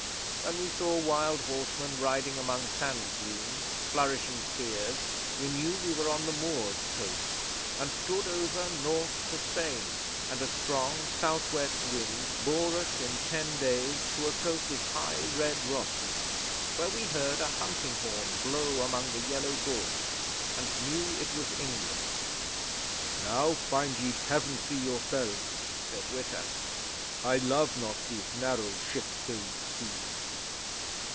When we saw wild horsemen, riding among sand dunes, flourishing spears, we knew we were on the Moors' coast, and stood over north to Spain; and a strong south west wind bore us in ten days to a coast of high red rocks, where we heard a hunting horn blow among the yellow gorse and knew it was England. '"Now find ye Pevensey yourselves," said Witta. "I love not these narrow ship filled seas."